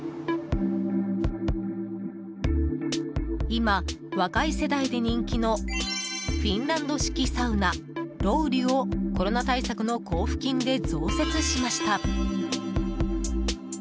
今、若い世代で人気のフィンランド式サウナロウリュを、コロナ対策の交付金で増設しました。